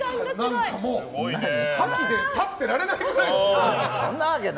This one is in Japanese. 何か、覇気で立っていられないくらいです。